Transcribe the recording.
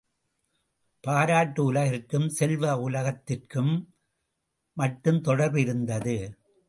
பாராட்டு உலகத்திற்கும் செல்வ உலகத்திற்கும் மட்டும் தொடர்பிருந்தது.